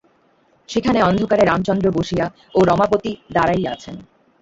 সেখানে অন্ধকারে রামচন্দ্র বসিয়া, ও রমাপতি দাঁড়াইয়া আছেন।